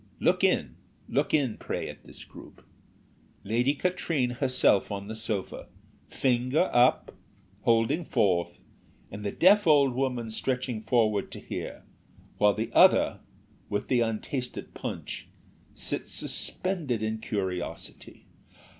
Look in, look in pray, at this group. Lady Katrine herself on the sofa, finger up holding forth; and the deaf old woman stretching forward to hear, while the other, with the untasted punch, sits suspended in curiosity.